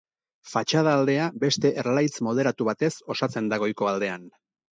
Fatxada aldea beste erlaitz moderatu batez osatzen da goiko aldean.